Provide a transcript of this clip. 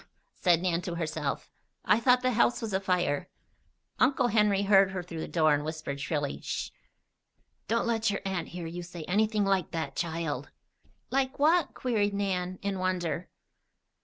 said Nan to herself. "I thought the house was afire." Uncle Henry heard her through the door and whispered, shrilly: "Sh! Don't let your aunt hear you say anything like that, child." "Like what?" queried Nan, in wonder.